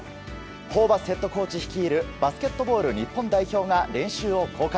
ホーバスヘッドコーチ率いるバスケットボール日本代表が練習を公開。